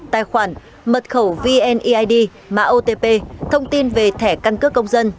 tài khoản mật khẩu vneid mạng otp thông tin về thẻ căn cứ công dân